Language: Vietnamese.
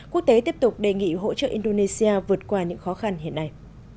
quốc tế tiếp tục đề nghị hỗ trợ indonesia vượt qua những khó khăn hiện nay